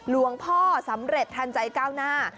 หลวงพ่อสำเร็จทันใจก้าวหน้า